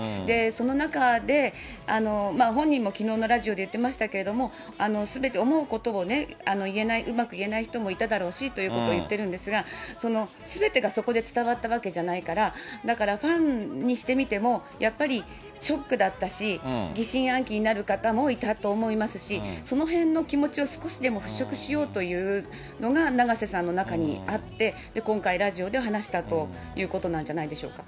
その中で本人もきのうのラジオで言ってましたけども、すべて思うことを言えない、うまく言えない人もいただろうしということを言ってるんですが、すべてがそこで伝わったわけじゃないから、だからファンにしてみても、やっぱりショックだったし、疑心暗鬼になる方もいたと思いますし、そのへんの気持ちを少しでも払拭しようというのが永瀬さんの中にあって、今回、ラジオで話したということなんじゃないんでしょうか。